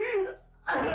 aku sudah berjalan